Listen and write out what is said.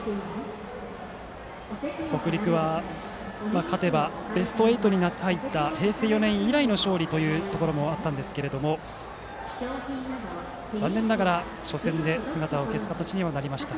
北陸は勝てばベスト８に入った平成４年以来の勝利ということになったんですけれども残念ながら初戦で姿を消すことになりました。